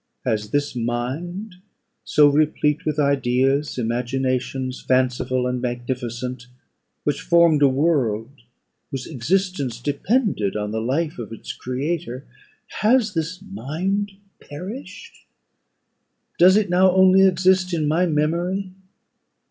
Has this mind, so replete with ideas, imaginations fanciful and magnificent, which formed a world, whose existence depended on the life of its creator; has this mind perished? Does it now only exist in my memory?